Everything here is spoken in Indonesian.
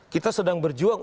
kita sedang berjuang